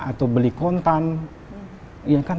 atau beli kontan